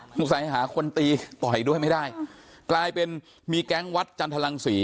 สงสัยหาคนตีต่อยด้วยไม่ได้กลายเป็นมีแก๊งวัดจันทรังศรี